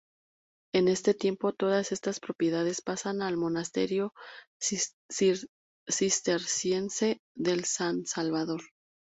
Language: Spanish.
En este tiempo todas estas propiedades pasan al monasterio cisterciense del San Salvador.